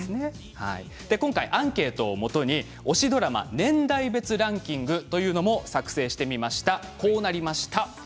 今回、アンケートをもとに推しドラマ年代別ランキングも作成してみました。